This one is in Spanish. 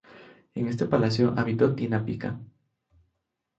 En este palacio habitó Tina Pica.